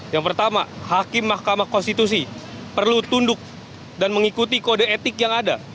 yang pertama hakim mahkamah konstitusi perlu tunduk dan mengikuti kode etik yang ada